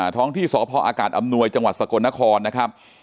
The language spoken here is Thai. ท้องที่สภออจสกลนครนะครับ